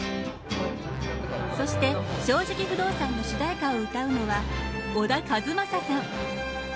そして「正直不動産」の主題歌を歌うのは小田和正さん。